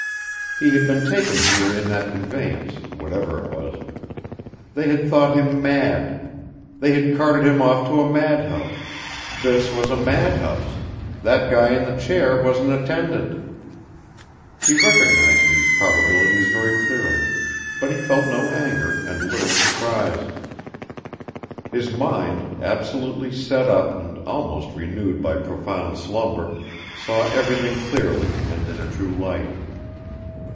He had been taken here in that conveyance, whatever it was; they had thought him mad they had carted him off to a mad house, this was a mad house, that guy in the chair was an attendant. He recognized these probabilities very clearly, but he felt no anger and little surprise. His mind, absolutely set up and almost renewed by profound slumber, saw everything clearly and in a true light.